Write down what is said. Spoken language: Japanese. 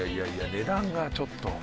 値段がちょっと。